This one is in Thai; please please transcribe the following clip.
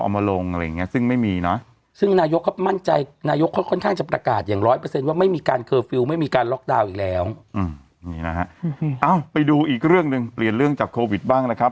ไม่ใช่นี่เห็นไหมล่ะแต่มีสร้างพระพุทธรูปเป็นหน้าตัวเองนะ